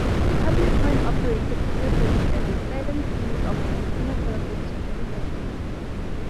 Public coin-operated telephones and the "Styleline" series of consumer telephones were manufactured there.